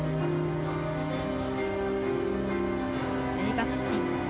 レイバックスピン。